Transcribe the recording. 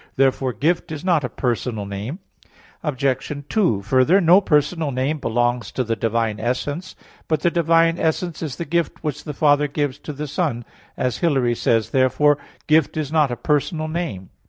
Therefore "Gift" is not a personal name. Obj. 2: Further, no personal name belongs to the divine essence. But the divine essence is the Gift which the Father gives to the Son, as Hilary says (De Trin. ix). Therefore "Gift" is not a personal name.